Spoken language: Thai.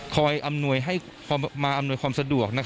อำนวยให้มาอำนวยความสะดวก